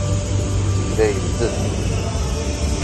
Yella yebded.